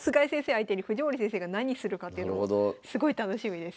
相手に藤森先生が何するかっていうのもすごい楽しみです。